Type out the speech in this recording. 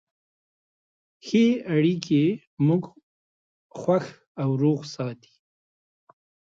ښه اړیکې موږ خوشحاله او روغ ساتي.